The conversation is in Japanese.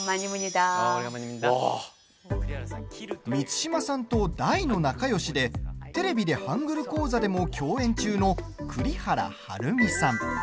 満島さんと大の仲よしで「テレビでハングル講座」でも共演中の栗原はるみさん。